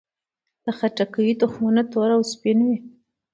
د تربوز تخمونه تور او سپین وي.